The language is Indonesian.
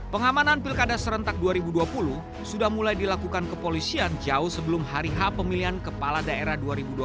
pengamanan pilkada serentak dua ribu dua puluh sudah mulai dilakukan kepolisian jauh sebelum hari h pemilihan kepala daerah dua ribu dua puluh